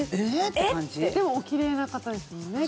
でもおきれいな方ですもんね？